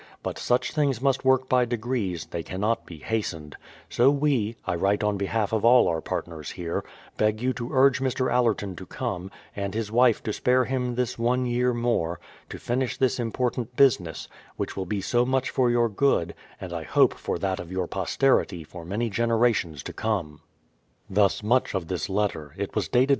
But such things must work by degrees, — they cannot be hastened; so we (I write on behalf of all our partners here) beg j^ou to urge Mr. Allerton to come, and his wife to spare him this one year more, to finish this important business, which will be so much for your good, and I hope for that of your posterity for many generations to come. Thus much of this letter; it was dated